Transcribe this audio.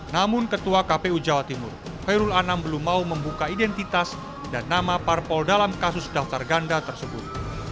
namun ketua kpu jawa timur khairul anam belum mau membuka identitas dan nama parpol dalam kasus daftar ganda tersebut